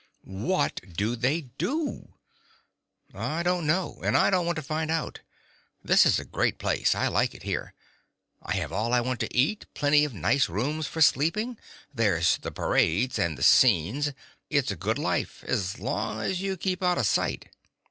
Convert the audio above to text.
"What do they do?" "I don't know and I don't want to find out. This is a great place I like it here. I have all I want to eat, plenty of nice rooms for sleeping. There's the parades and the scenes. It's a good life as long as you keep out of sight."